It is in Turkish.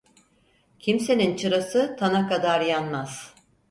Kimsenin çırası tana kadar yanmaz.